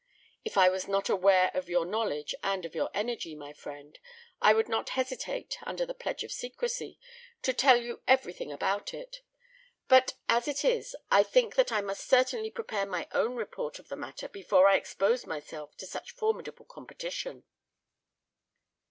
If I was not aware of your knowledge and of your energy, my friend, I would not hesitate, under the pledge of secrecy, to tell you everything about it. But as it is I think that I must certainly prepare my own report of the matter before I expose myself to such formidable competition."